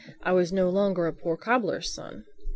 I was no longer a poor cobbler's son.